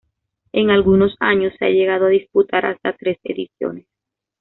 En algunos años se han llegado a disputar hasta tres ediciones.